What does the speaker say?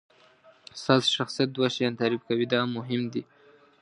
ستاسو شخصیت دوه شیان تعریف کوي دا مهم دي.